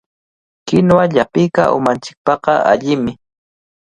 Kinuwa llapiqa umanchikpaq allimi.